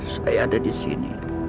saya ada disini